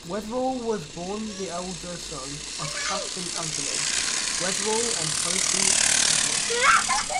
Weatherall was born the elder son of Captain Anthony Weatherall and Sophy Keswick.